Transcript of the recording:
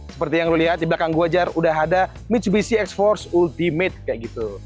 seperti yang lu lihat di belakang gue jar udah ada mitsubishi exforce ultimate kayak gitu